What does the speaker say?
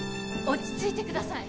落ち着いてください。